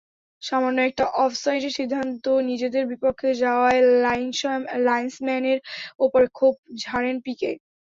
সামান্য একটি অফসাইডের সিদ্ধান্ত নিজেদের বিপক্ষে যাওয়ায় লাইনসম্যানের ওপর ক্ষোভ ঝাড়েন পিকে।